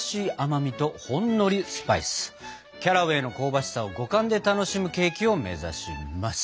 キャラウェイの香ばしさを五感で楽しむケーキをめざします。